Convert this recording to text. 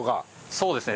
そうですね。